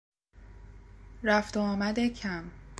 رفت و آمد کم